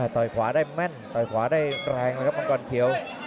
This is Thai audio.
ต่อยขวาได้แม่นต่อยขวาได้แรงนะครับมังกรเขียว